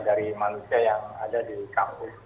dari manusia yang ada di kampus